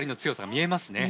見えますね。